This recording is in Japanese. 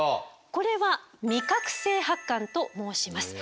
これは味覚性発汗と申します。